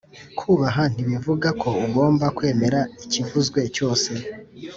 Kubaha ntibivuga ko ugomba kwemera ikivuzwe cyose